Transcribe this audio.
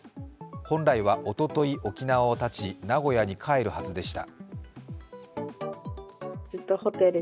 本来はおととい、沖縄を発ち名古屋に帰るはずでした。